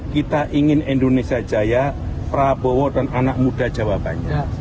kita ingin indonesia jaya prabowo dan anak muda jawabannya